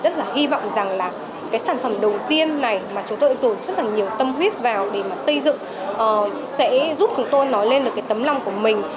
cái sản phẩm đồng tiền này mà chúng tôi dùng rất là nhiều tâm huyết vào để mà xây dựng sẽ giúp chúng tôi nói lên được cái tấm lòng của mình